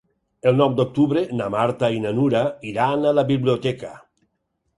El nou d'octubre na Marta i na Nura iran a la biblioteca.